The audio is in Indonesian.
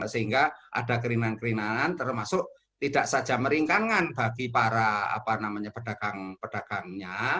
sehingga ada kerinangan kerinangan termasuk tidak saja meringkangan bagi para pedagang pedagangnya